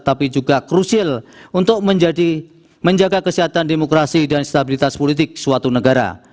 tapi juga krusial untuk menjadi menjaga kesehatan demokrasi dan stabilitas politik suatu negara